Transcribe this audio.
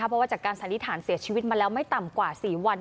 เพราะว่าจากการสันนิษฐานเสียชีวิตมาแล้วไม่ต่ำกว่า๔วัน